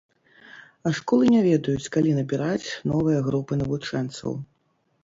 А школы не ведаюць, калі набіраць новыя групы навучэнцаў.